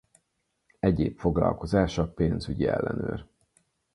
Egyéb foglalkozása pénzügyi ellenőr.